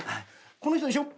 この人でしょ？